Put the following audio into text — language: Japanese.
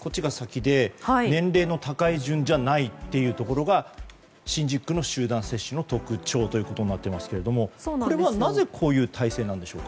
こっちが先で年齢の高い順じゃないということが新宿区の集団接種の特徴ということになっていますけどこれはなぜこういう体制なんでしょうか。